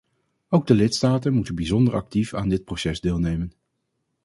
Ook de lidstaten moeten bijzonder actief aan dit proces deelnemen.